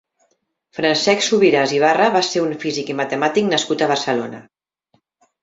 Francesc Subiràs i Barra va ser un físic i matemàtic nascut a Barcelona.